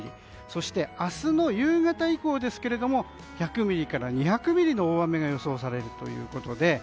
そして、明日の夕方以降は１００ミリから２００ミリの大雨が予想されるということで。